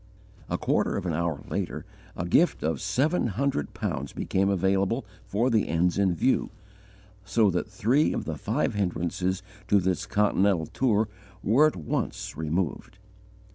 A quarter of an hour later, a gift of seven hundred pounds became available for the ends in view, so that three of the five hindrances to this Continental tour were at once removed.